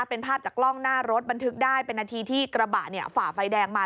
เป็นภาพจากกล้องหน้ารถบันทึกได้เป็นนาทีที่กระบะฝ่าไฟแดงมา